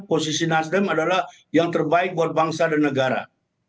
posisi nasdem adalah yang terbaik buat bangsa dan negara